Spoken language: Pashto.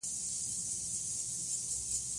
د افغانستان طبیعت له سلیمان غر څخه جوړ شوی دی.